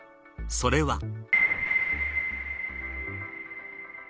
それは。